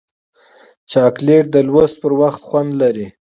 چاکلېټ د لوست پر وخت خوند لري.